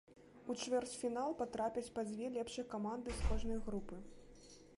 У чвэрцьфінал патрапяць па дзве лепшыя каманды з кожнай групы.